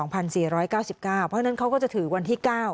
เพราะฉะนั้นเขาก็จะถือวันที่๙